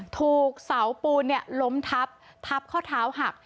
ถูกเสาปูนล้มทับทับข้อเท้าหัก